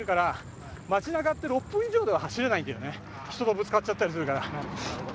人とぶつかっちゃったりするから。